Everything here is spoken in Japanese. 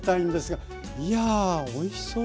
いやおいしそう！